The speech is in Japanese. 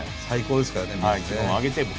最高ですからねＢ’ｚね。